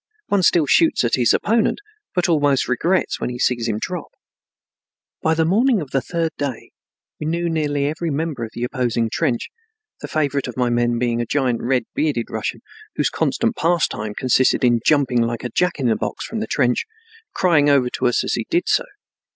One still shoots at his opponent, but almost regrets when he sees him drop. By the morning of the third day we knew nearly every member of the opposing trench, the favorite of my men being a giant red bearded Russian whose constant pastime consisted in jumping like a Jack in the box from the trench, crying over to us as he did so.